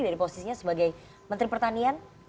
dari posisinya sebagai menteri pertanian